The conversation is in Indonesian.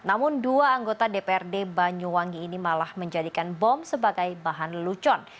namun dua anggota dprd banyuwangi ini malah menjadikan bom sebagai bahan lelucon